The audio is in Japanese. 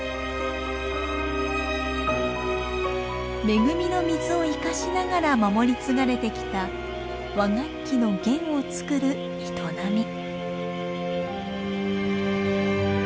恵みの水を生かしながら守り継がれてきた和楽器の弦を作る営み。